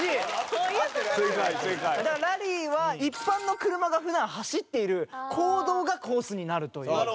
ラリーは一般の車が普段走っている公道がコースになるという。